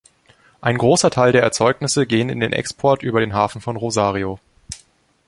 Ein großer Teil der Erzeugnisse gehen in den Export über den Hafen von Rosario.